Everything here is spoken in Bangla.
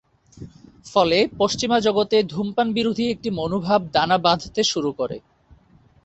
ফলে পশ্চিমা জগতে ধূমপান-বিরোধী একটি মনোভাব দানা বাঁধতে শুরু করে।